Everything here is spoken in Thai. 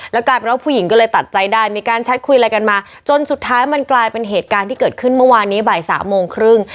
กลายเป็นว่าผู้หญิงก็เลยตัดใจได้มีการแชทคุยอะไรกันมาจนสุดท้ายมันกลายเป็นเหตุการณ์ที่เกิดขึ้นเมื่อวานนี้บ่ายสามโมงครึ่ง